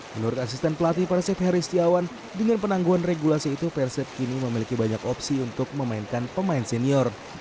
menurut asisten pelatih persib heri setiawan dengan penangguhan regulasi itu persib kini memiliki banyak opsi untuk memainkan pemain senior